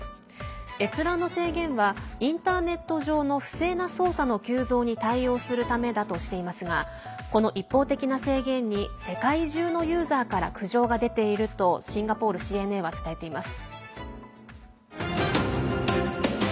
閲覧の制限はインターネット上の不正な操作の急増に対応するためだとしていますがこの一方的な制限に世界中のユーザーから苦情が出ているとシンガポールＣＮＡは伝えています。